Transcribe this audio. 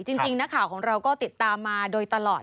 จริงนักข่าวของเราก็ติดตามมาโดยตลอด